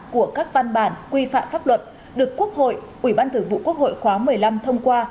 của các văn bản quy phạm pháp luật được quốc hội ủy ban thường vụ quốc hội khóa một mươi năm thông qua